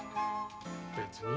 別に。